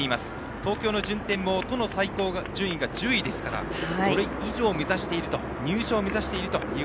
東京の順天も都の最高順位が１０位ですからそれ以上を目指している入賞を目指していると。